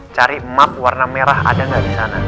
cari map warna merah ada gak disana